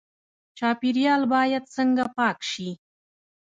چاپیریال باید څنګه پاک شي؟